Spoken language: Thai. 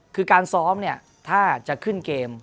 คือการซ้อมถ้าจะขึ้นเกม